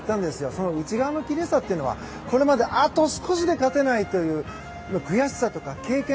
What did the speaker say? その内側のきれいさというのはこれまであと少しで勝てないという悔しさとか経験。